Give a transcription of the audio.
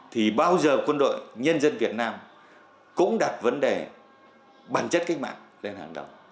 thì bao giờ quân đội nhân dân việt nam cũng đặt vấn đề bản chất cách mạng lên hàng đầu